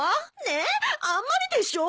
ねえあんまりでしょ？